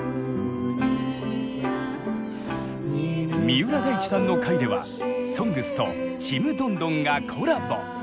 三浦大知さんの回では「ＳＯＮＧＳ」と「ちむどんどん」がコラボ！